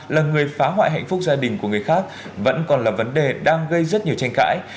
là người phá hoại hạnh phúc gia đình của người khác vẫn còn là vấn đề đang gây rất nhiều tranh cãi